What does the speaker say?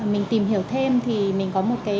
mình tìm hiểu thêm thì mình có một cái